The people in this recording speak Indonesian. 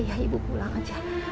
iya ibu pulang aja